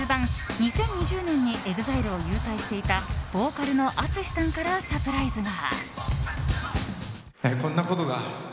２０２０年にＥＸＩＬＥを勇退していたボーカルのＡＴＳＵＳＨＩさんからサプライズが。